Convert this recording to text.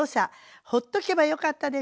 ほっとけばよかったでしょ？